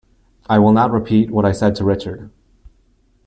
I will not repeat what I said to Richard.